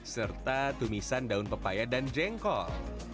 serta tumisan daun pepaya dan jengkol